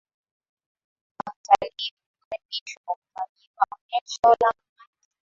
Watalii hukaribishwa kwa kufanyiwa onesho la ngoma hizo